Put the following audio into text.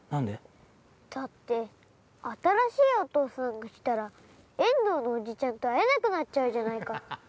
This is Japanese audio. だって新しいお父さんが来たら遠藤のおじちゃんと会えなくなっちゃうじゃないか。